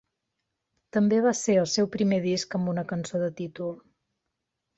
També va ser el seu primer disc amb una cançó de títol.